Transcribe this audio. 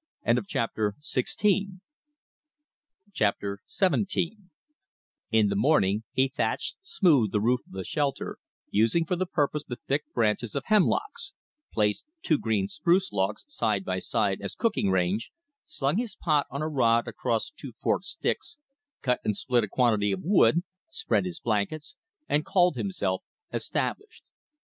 Chapter XVII In the morning he thatched smooth the roof of the shelter, using for the purpose the thick branches of hemlocks; placed two green spruce logs side by side as cooking range; slung his pot on a rod across two forked sticks; cut and split a quantity of wood; spread his blankets; and called himself established.